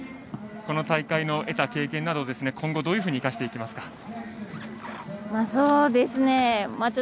この大会で得た経験などを今後どのように生かしていきますか？